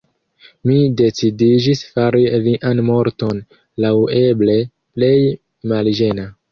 Mi decidiĝis fari lian morton laŭeble plej malĝena.